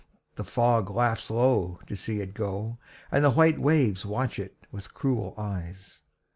The fog laughs low to see it go, And the white waves watch it with cruel eyes.